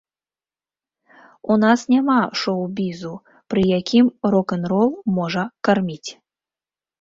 У нас няма шоў-бізу, пры якім рок-н-рол можа карміць.